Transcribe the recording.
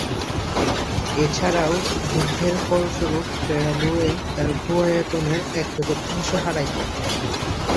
এছাড়াও যুদ্ধের ফলস্বরূপ প্যারাগুয়ে তার ভূ-আয়তনের এক-চতুর্থাংশ হারায়।